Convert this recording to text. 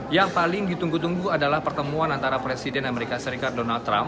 yang paling ditunggu tunggu adalah pertemuan antara presiden amerika serikat donald trump